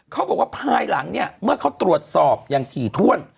เขาบอกว่าภายหลังเนี่ยเมื่อเขาตรวจสอบอย่างถี่ถ้วน